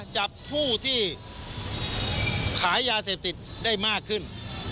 จับผู้ที่ขายยาเสพติดได้มากขึ้น